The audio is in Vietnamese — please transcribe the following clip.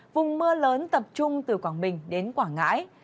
vùng mưa lớn tập trung từ quảng bình đến quảng ngãi